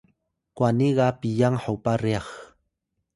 kwani ga piyang hopa ryax